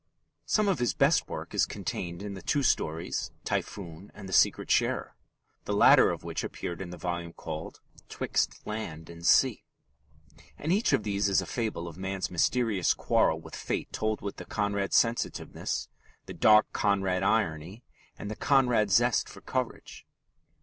Some of his best work is contained in the two stories Typhoon and The Secret Sharer, the latter of which appeared in the volume called 'Twixt Land and Sea. And each of these is a fable of man's mysterious quarrel with fate told with the Conrad sensitiveness, the dark Conrad irony, and the Conrad zest for courage.